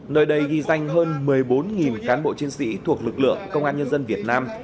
nơi đây ghi danh hơn một mươi bốn cán bộ chiến sĩ thuộc lực lượng công an nhân dân việt nam